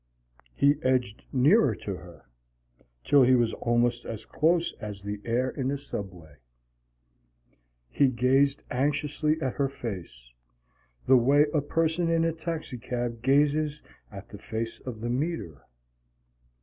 He edged nearer to her, till he was almost as close as the air in the subway. He gazed anxiously at her face, the way a person in a taxicab gazes at the face of the meter.